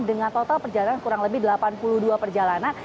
dengan total perjalanan kurang lebih delapan puluh dua perjalanan